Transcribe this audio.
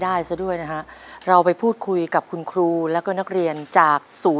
ในแคมเปญพิเศษเกมต่อชีวิตโรงเรียนของหนู